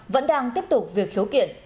vẫn đang tiếp tục việc khiếu kiện